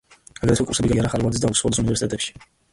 აგრეთვე კურსები გაიარა ჰარვარდის და ოქსფორდის უნივერსიტეტებში.